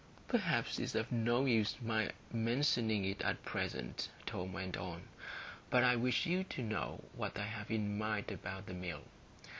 "Perhaps it's of no use my mentioning it at present," Tom went on, "but I wish you to know what I have in my mind about the Mill.